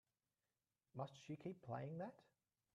Must she keep playing that?